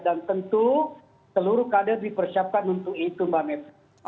dan tentu seluruh kader dipersiapkan untuk itu mbak mabry